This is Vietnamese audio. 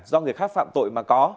do người khác phạm tội mà có